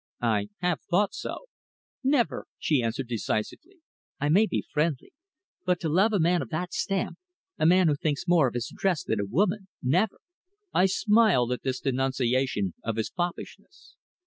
"I have thought so." "Never!" she answered decisively. "I may be friendly, but to love a man of that stamp a man who thinks more of his dress than a woman never!" I smiled at this denunciation of his foppishness.